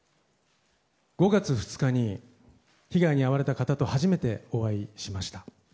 ５月２日に被害に遭われた方と初めてお会いしました。